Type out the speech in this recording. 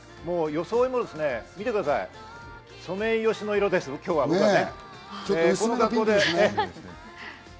装いも見てください、ソメイヨシノ色です、今日はね。